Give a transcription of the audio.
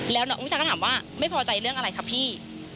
แล้วน้องอุ้งชาก็ถามว่าไม่พอใจเรื่องอะไรคะพี่